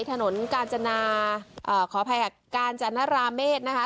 ถนนกาญจนาขออภัยค่ะกาญจนราเมฆนะคะ